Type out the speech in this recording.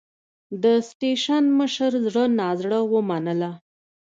د سټېشن مشر زړه نازړه ومنله.